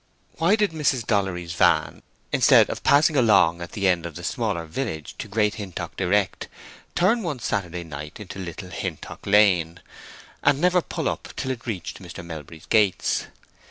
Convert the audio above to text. Why did Mrs. Dollery's van, instead of passing along at the end of the smaller village to Great Hintock direct, turn one Saturday night into Little Hintock Lane, and never pull up till it reached Mr. Melbury's gates?